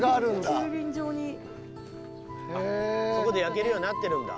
そこで焼けるようになってるんだ。